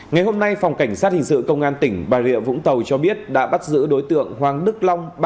ngày hôm nay phòng cảnh sát hình sự công an tỉnh bà rịa vũng tàu cho biết đã bắt giữ đối tượng hoàng đức long